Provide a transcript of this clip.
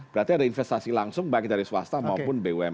berarti ada investasi langsung baik dari swasta maupun bumn